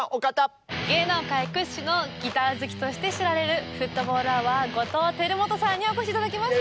芸能界屈指のギター好きとして知られるフットボールアワー後藤輝基さんにお越し頂きました！